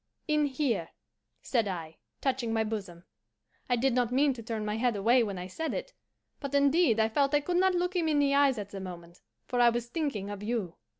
'In here,' said I, touching my bosom. I did not mean to turn my head away when I said it, but indeed I felt I could not look him in the eyes at the moment, for I was thinking of you.